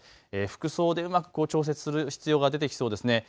服装でうまく調節する必要が出てきそうですね。